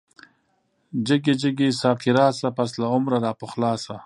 جگی جگی ساقی راشه، پس له عمره را پخلاشه